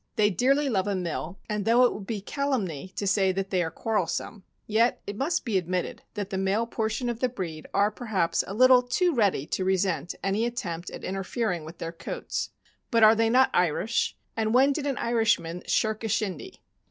They dearly love a mill, and though it would be calumny to say they are quar relsome, yet it must be admitted that the male portion of the breed are perhaps a little too ready to resent any attempt at interfering with their coats; but are they not Irish, and when did an Irishman shirk a shindy?